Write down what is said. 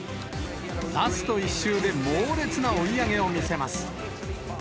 ラスト１周で猛烈な追い上げを見せます。